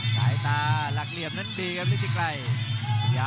สายตาหลักเหลี่ยมนั้นดีครับฤทธิไกร